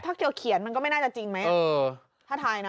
ถ้าเกียวเขียนมันก็ไม่น่าจะจริงไหม